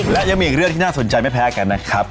และยังมีอีกเรื่องที่น่าสนใจไม่แพ้กันนะครับ